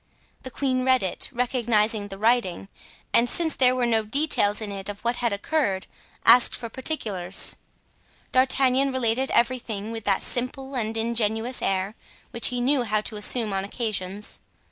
The queen read it, recognized the writing, and, since there were no details in it of what had occurred, asked for particulars. D'Artagnan related everything with that simple and ingenuous air which he knew how to assume on occasions.